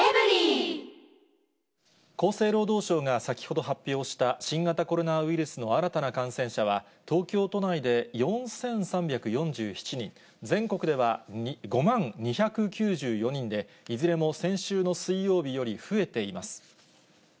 厚生労働省が先ほど発表した、新型コロナウイルスの新たな感染者は、東京都内で４３４７人、全国では５万２９４人で、いずれも先週の水曜日より増えています。